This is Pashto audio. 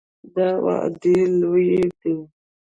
دا وعدې لویې دي.